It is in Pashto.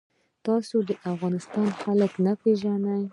تاسو د افغانستان خلک نه پیژنئ.